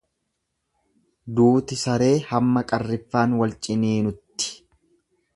Duuti saree hamma qarriffaan wal ciniinutti.